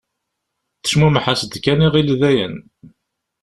Tecmummeḥ-as-d kan iɣill dayen.